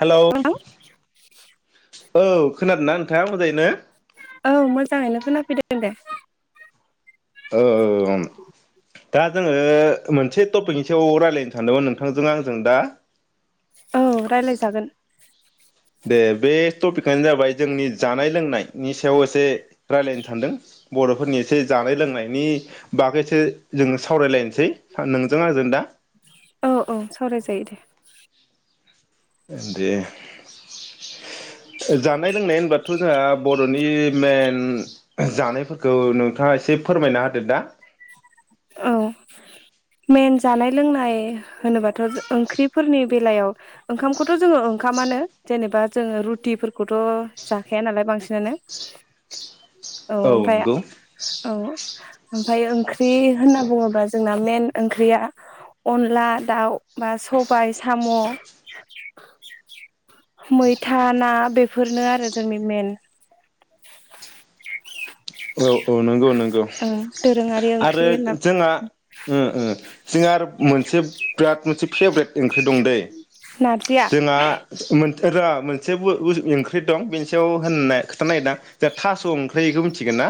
Hello औ खोनादों ना नोंथाङा मोजाङैनो। औ मोजाङैनो खोनाफैदों दे। ओ ओ ओ औ दा जोङो मोनसे टपिकनि सायाव रायलायनो सानदोंमोन नोंथांजों आंजों दा औ रायलायजागोन दे बे टपिकआनो जाबाय जोंनि जानाय लोंनायनि सायाव एसे रायलायनो सानदों। बर'फोरनि एसे जानाय लोंनायनि बागैसो जोङो सावरायलायनोसै ओ नोंजों आजों दा औ औ सावरायजायो दे दे जानाय लोंनाय होनबथ' जोंहा बर'नि मे ओम जानायफोरखौ नोंथाङा एसे फोरमायना होदो दा। औ मेन जानाय लोंनाय होनोबाथ' ओंख्रिफोरनि बेलायाव ओंखामखौथ' जोङो ओंखामानो जेनेबा जोङो रुटिफोरखौथ' जाखाया नालाय बांसिनानो। औ नंगौ। ओमफ्रायो ओंख्रि होनना बुङोबा जोंना मेन ओंख्रिया अनला दाउ बा सबाय साम' मैथा ना बेफोरनो आरो जोंनि मेन [inaudible] औ औ नंगौ नों गौ ओं दोरोङारि ओंख्रि आरो होनना जोंहा ओ ओ। जोंहा आरो मोनसे बिराद मोनसे फेब्रेत ओंख्रि दं दै। नारजिया जोंहा मोन र मोनसे बु बुस ओंख्रि दं बेनि सायाव होननाय खोथा नागिरां जोआ थास' ओंख्रिखौ मिथि गोना?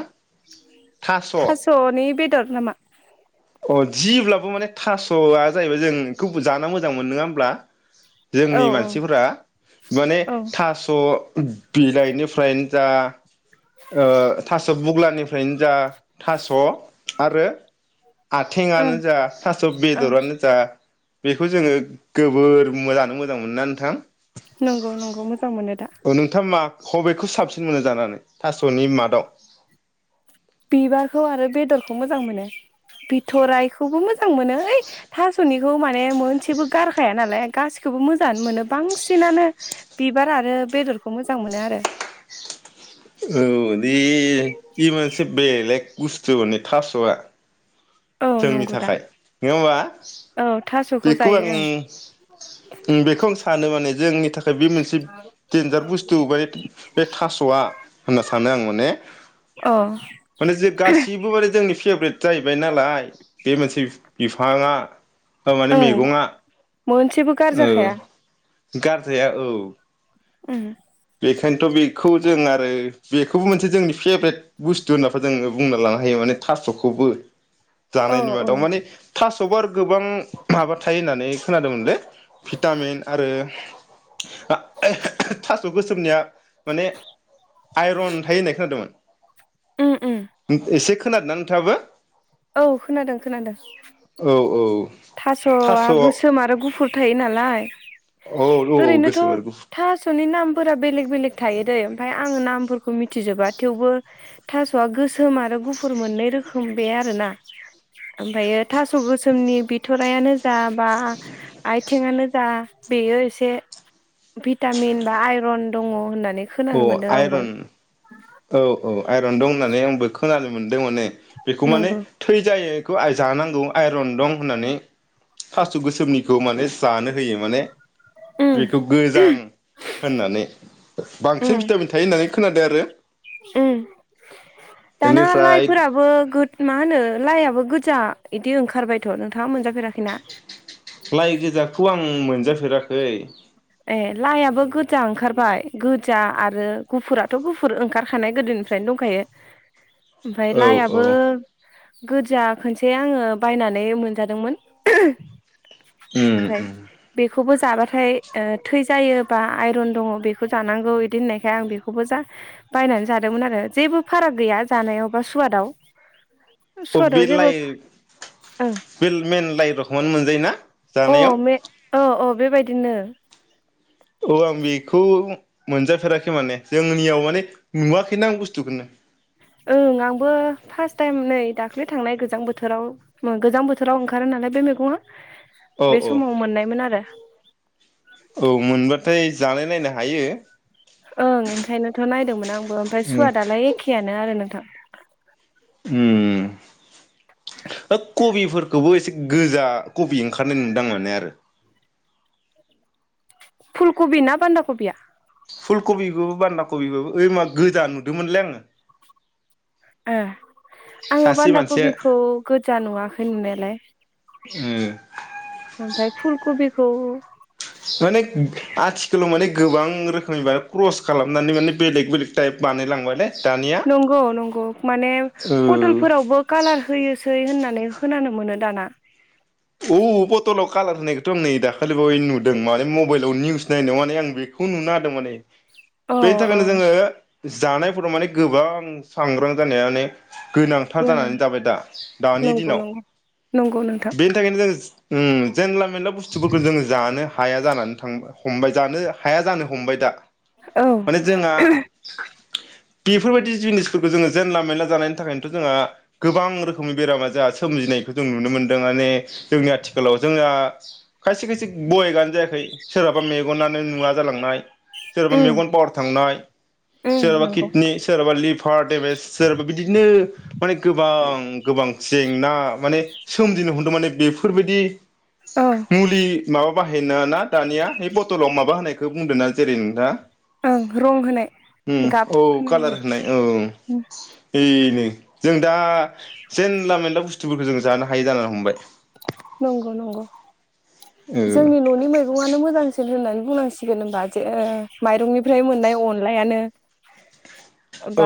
थास'नि बेदर नामा? अ जिब्लाबो माने थास'आ जाहैबाय जों खौ जानो मोजां मोन नङा होमब्ला? औ जोंनि औ मानसिफोरा माने औ थास' बिलाइनिफ्रायनो जा ओ थास' बुग्लानि फ्रायनो जा थास' आरो आथेंआनो ओं जा थास' ओं बेदरानो जा। बेखौ जोङो जोबोर मोजां मोजां मोनो ना नोंथां? नंगौ नंगौ मोजां मोनो दा औ नोंथां मा हबेखौ साबसिन मोनो जानानै थास'नि मादाव? बिबारखौ आरो बेदरखौ मोजां मोनो बिथराइखौबो मोज जां मोनो ऐ था सनिखौ माने मोनसेबो गारखाया नालाय गासिखौबो मोजाङानो मोनो बांसिनानो बिबार आरो बेदरखौ मोजां मोनो आरो। औ दे बि मोनसे बेलेग बुस्थु ने थास'आ? औ जोंनि नंगौ दा थाखाय नङा होमबा औ थास'खौ बेखौ जायो आं जों बेखौ आं सानो माने जोंनि थाखाय बे मोनसे देनजार बुस्थु बाय बे थास'आ होनना सानो आं माने अ माने जे गासिबो माने जोंनि फेबरेट। जाहैबाय नालाय बे मोनसे बिफाङा माने ओं मैगङआ मोनसेबो औ। गारजाखाया गारजाया औ। ओम। बेखायनोथ बेखौ जों आरो बेखौबो मोनसे जोंनि फेभारेट बुस्थु होनना जोङो बुंना लानो हायो माने थासखौबो। औ जानायनि औ मादाव माने थास आरो गोबां माबा थायो होननानै खोनादोंमोनलै। भिटामिन आरो [unintelligible] गोसोमनिया माने आइरन थायो होननाय खोनादोंमोन। उम उम एसे खोनादों ना नोंथाङाबो? औ खोनादों खोनादों, औ औ थास' थासआ औ गोसोम आरो गुफुर थायो नालाय औ औ ओरैनोथ' गोसोम आरो गुफुर थासनि नाम, फुरा बेलेग बेलेग थायो, जायो ओमफ्राय आङो नामफोर फोरखौ मिथिजोबा थेवबो थासवा गोसोम आरो गुफुर मोननै रोखोम बे आरो ना ओनफायो थास गोसोमनि बि बिथ'रायानो जा बा आथिंआनो जा बेयो एसे भिटामिन बा आइरन दङ होननानै नानै औ खोनानो मोनदों आंबो, आइरन औ औ आइरन दं होननानै आंबो खोनानो मोन मोनदों माने बेखौ माने नंगौ थै जायो। खौ आइ जानांगौ आइरन दं होननानै, थास' गोसोमनिखौ माने जानो होयो माने, उम बेखौ गोजां होननानै बांसिन भिटामिन थायो होननानै खोनादों आरो ओम दाना बेनिफ्राय लाइफोराबो गो माहोनो लाइ फोराबो गोजा बिदि ओखारबायथ' नोंथाङा मोनजा फेराखैना? लाइ गोजाखौ आं मोनजाफेराखै, ए लाइआबो गोजा ओंखारबाय गोजा आरो गुफुराथ' गुफुर ओंखारखानाय गोदोनिफ्रायनो दंखायो, ओमफ्राय औ औ लाइआबो गोजा खनसे आङो बायनानै मोनजादोंमोन, उम ओनफाय बे खौबो जाबाथाय, थै जायोबा आइरन दङ बेखौ जानांगौ इदि होननायखाय आं बेखौबो जा बायनानै जादोंमोन आरो जेबो फाराग गैया जानायाव बा सुवादाव। अब बे सुवादाव जेबो लाइ बे मेन लाइ रखमानो मोनजायोना ओं अ जानायाव, मे औ औ बेबायदिनो औ आं बेखौ मोनजाफेराखै माने जोंनियाव माने नुवाखैनो आं बुस्थुखौनो। ओं आंबो फारस टाइम नै दाख्लि थांनाय गोजां बोथोराव गोजां बोथोराव ओंखारो नालाय बे मैगङा औ बे औ समाव मोननायमोन आरो। औ मोनबाथाय जानाय नायनो हायो। ओं ओंखायनोथ' नायदोंमोन आंबो ओमफ्राय सुवा दालाय एखेयानो आरो नोंथां। ओम ओ कबिफोरखौबो एसे गोजा कबि ओंखारनाय नुदों मोनो आरो फुल कबि ना बान्दा कबिया? फुल कबिबो बान्दा कबिबाबो ओइ मा गोजा नुदोंमोनलै आङो। ओ आङो सासे बान्दा मानसिया कबिखौ ओ गोजा नुवाखै नुनायालाय। ओ खौ माने आथिखालाव माने गोबां रोखोमनि बा क्रस खालामनानै माने बेलेग बेलेग टाइप बानायलांबाय लै नंगौ नंगौ माने औ पथलफोरावबो कालार होयोसै होनानै खोनानो मोनो दाना। औ बथलाव कालार होनायखौथ' आं नै दाखालि बै नुदों माने म मबाइलाव निउस नायावनानै आं बे खौ नुनादों माने अ बेनि अ थाखायनो जोङो जानायफोराव माने गोबां सांग्रां जानाया ने गोनांथार गोनां जानानै जाबाय दा दानि नंगौ दिनाव नंगौ नंगौ नोंथां बेनि थाखायनो जों ओ जेनला मेनला बुस्थुफोरखौ जों जानो हाया जानानै थां हमबाय जानो हाया जानो हमबाय दा औ माने जोंहा बेफोरबायदि जिनिसफोरखौ जोङो जेनला मेनला जानायनि थाखायनोथ' जोंहा गोबां रोखोमनि बेरामा जोंहा सोमजिनायखौ जों नुनो मोन दों माने जोंनि आथिखालाव जोंहा खायसे खायसे बायगआनो जायाखै सोरहाबा मेगनानो नुवा जालांनाय सोरबा उम मेगन पावार थांनाय उम सोरबा नंगौ किडनि सोरबा लिभार देमेज सोरबा बिदिनो माने गोबां ओम गोबां जेंना माने सोमजिनो हमदों माने बेफोरबायदि औ मुलि माबा बाहाय ना ना दानिया बे बथलाव माबा होनायखौ बुंदों ना जेरैनो दा ओं रं होनाय गाब औ होनाय उम ए नै जों दा जेनला मेनला बुस्थुफोरखौ जों जोङो जाना हायि जानो हमबाय नंगौ नंगौ जोंनि न'नि मैगं आनो मोजांसिन होननानै बुंनांसिगोन होमबा जो माइरंनिफ्राय मोननाय अनलायानो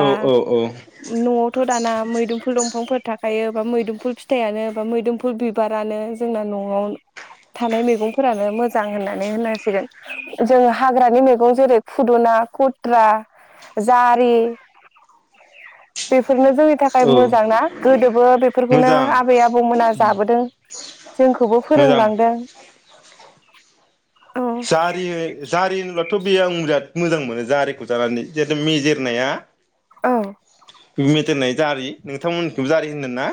औ औ औ न'आवथ' दाना मैदुमफुल दंफा बिफांफोर थाखायो बा मैदुमफुल फिथथायआनो बा मैदोमफुल बिब बिबारानो जोंना न'आव थानाय मैगंफोरानो मोजां होननानै होननांसिगोन जों हाग्रानि मैगं जेरै फुदुना, खुथ्रा, जारि बेब बेफोरनो जोंनि थाखाय औ मोजां ना गोदोबो बेफोरखौनो मोजां आबै आबौमोना जाबोदों। जोंखौबो मोजां फोरोंलांदों। औ जारि जारि होनब्लाथ' बे आं बिराद मोजां मोनो जारिखौ जानानै जिहेतु मेजेरनाया औ मेजेरनाय जारि, नोंथांमोननिखौबो जारि होनो ना?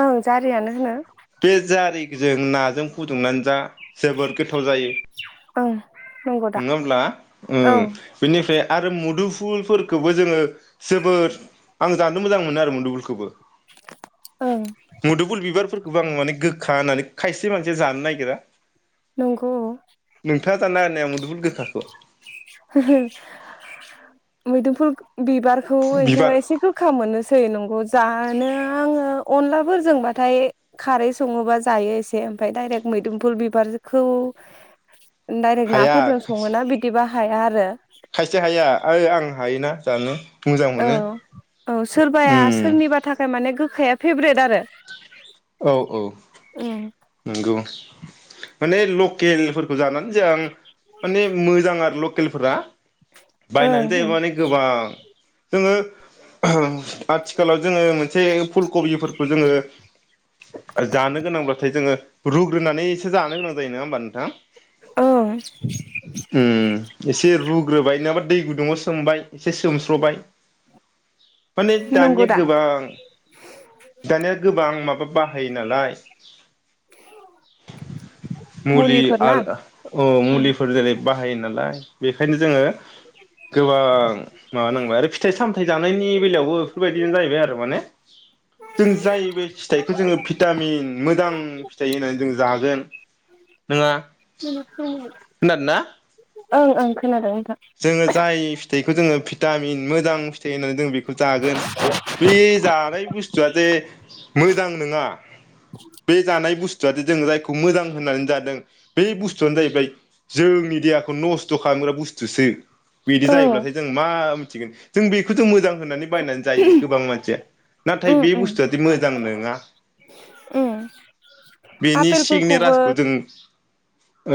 ओं जारियानो होनो। जों नाजों फुदुंनानै जा जोबोद गोथाव जायो। ओं नंगौ दा नङा होनब्ला? ओम ओं बेनिफ्राय आरो मुदुफुलफोरखोबो जोङो जोबोद आं जानो मोजां मोनो आरो मुदुफुलखोबो। ओं मदुफुल बिबारफोर गोबां माने गोखा होननानै खायसे मानसिया जानो नागिरा। नंगौ [unintelligible] [unintelligible] हो हो मैदोमफुल बिबारखौ एनोथ' बिबार एसे गोखा मोनोसै नंगौ जा नो आङो अनलाफोरजोंबाथाय खारै सङोबा जायो एसे ओमफाय डायरेक मैदोमफुल बिबारखौ डाइरेक्ट हाया नाफोरजों सङोना बिदिबा हाया आरो। खायसे हाया आय आं हायोना जानो मोजां औ मोनो औ सोरबाया ओम सोरनिबा थाखाय माने गोखाया फेभरेट आरो। औ औ ओं नंगौ माने लकेलफोरखौ जानान जां माने मोजां आरो ल केलफोरा ओं बायनानै ओं जायोबानो गोबां। जोङो आथिखालाव जोङो मोनसे फुल कबिफोरखौ जोङो जानो गोनांब्ला जोङो रुग ग्रोनानैसो जानो गोनां जायो नङा होनबा नोंथां ओं उम एसे रुग्रोबाय नङाबा दै गुद दंआव सोमबाय एसे सोमस्र'बाय। माने दानिया नंगौ दा गोबां दानिया गोबां माब बा बाहायो नालाय। मुलि मुलिफोर ना आल अ मुलिफोर जेरै बाहायो नालाय बेखायनो जोङो गोबां माबानांबाय आरो फिथाइ सामथाय जानायनि बेलायावबो बेफोरबायदिनो जाहैबाय आरो माने जों जाय बे फिथाइखौ जों भिटामिन मोजां फिथाइ होनानै जों जागोन नङा। [unintelligible] औ ओं खोनादों। जोङो जाय थैखौ जोङो भिटामिन मोजां थै होननानै जों बेखौ जागोन बे जानाय बुस्थुआ जे मोजां नङा बे जानाय बुस जादि जों रायखौ मोजां होननानै जादों बे बुस्थुआनो जाहैबाय जोंनि देहाखौ नस्थ' खालामग्रा बुस स्तुसो। बिदि औ जायोब्लाथाय जों मा जों बेखौ ज' मोजां होननानै बायनानै जायो गोबां मानसिया नाथाय उम बे उम बुस्थुवादि मोजां नङा उम बेनि सिंनि आपेलफोरखौबो राजखौ जों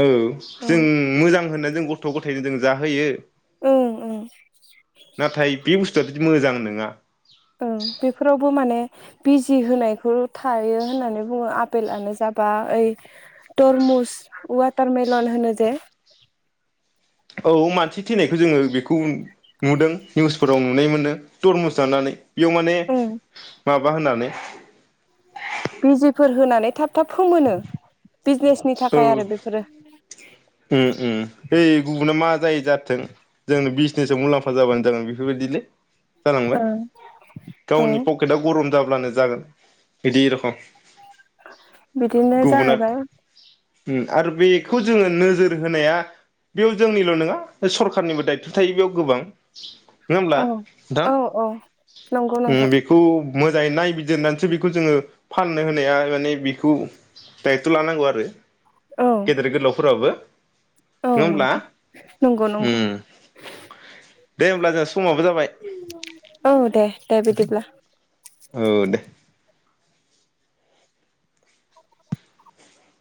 औ जों उम मोजां होनना जों गथ गथायजों जाहोयो। ओं ओं। नाथाय [unintelligible] मोजां नोङा। ओं बेफोरावबो माने बिजि होनायखौ थायो होननानै बुङो । बेलानो जाबा ओइ तरमुस वाटारमेलन होनो जे औ मानसि थैनायखौ जोङो बेखौ नुदों निउसफोराव नुनाय मोन्दों तरमुस जानानै इयाव माने ओं माबा माबा होनानै बिजिफोर होनानै थाब थाब फोमोनो। बिजनेसनि थाखाय आरो बेफोरो ओम ओम [inaudible] गुबुना मा जायो जाथों जोंनो बिजनेसाव मुलाम्फा जाबानो जागोन बेफोरबायदिलै जालांबाय औ गावनि पकेटआ गरम जाब्लानो जागोन बिदि रखम बिदिनो गुबुना जाहैबाय उम आरो बेखौ जोङो नोजोर नोजोर होनाया बेयाव जोंनिल नङा सरखारनिबो दायथ थायो बेयाव गोबां। नङा होमब्ला औ औ औ नंगौ नोंथां नोंथां ओम बेखौ मोजाङै नायबिजिरनानैसो बेखौ जोङो फाननो होनाया माने बिखौ दायट लानांगौ आरो औ गेदेर गोलावफोराबो औ नङा होमब्ला नंगौ नंगौ नंगौ उम दे होमब्ला जों समाबो जाबाय। औ दे दे बिदिब्ला। औ दे